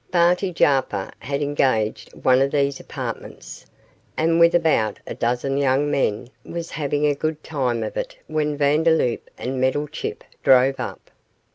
Barty Jarper had engaged one of these apartments, and with about a dozen young men was having a good time of it when Vandeloup and Meddlechip drove up.